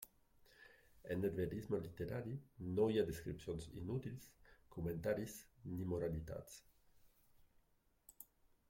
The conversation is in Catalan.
En el verisme literari no hi ha descripcions inútils, comentaris, ni moralitats.